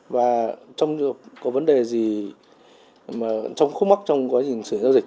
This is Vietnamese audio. và trong vấn đề gì trong khúc mắc trong quá trình sử dụng giao dịch